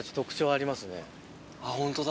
あっホントだ。